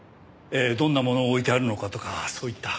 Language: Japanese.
どんなものを置いてあるのかとかそういった。